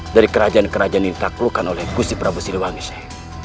dari kerajaan kerajaan yang taklukan oleh gusti prabu siliwangi seh